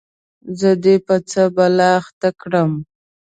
زه دي په څه بلا اخته کړم ؟